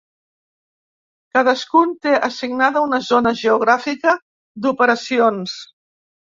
Cadascun té assignada una zona geogràfica d'operacions.